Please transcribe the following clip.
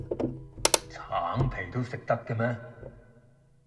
橙皮都食得嘅咩